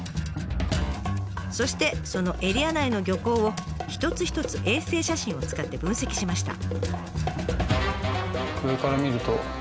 そしてそのエリア内の漁港を一つ一つ衛星写真を使って分析しました。